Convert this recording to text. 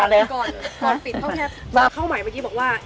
หนึ่งสองซ้ำยาดมนุษย์ป้า